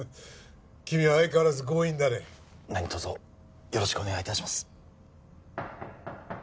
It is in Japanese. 君は相変わらず強引だね何とぞよろしくお願いいたします